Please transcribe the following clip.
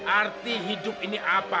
arti hidup ini apa